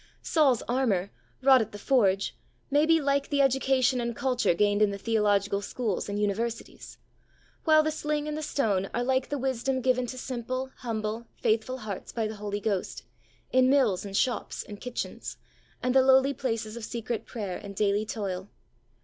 Saul's armour, wrought at the forge, may be like the education and culture gained in the theological schools and universities, while the sling and the stone are like the wisdom given to simple, humble, faithful hearts by the Holy Ghost, in mills and shops and kitchens, and the lowly places of secret prayer and daily toil.